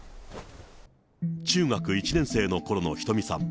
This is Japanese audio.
中学１年生のころのひとみさん。